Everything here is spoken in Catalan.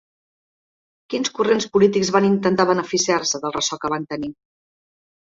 Quins corrents polítics van intentar beneficiar-se del ressò que van tenir?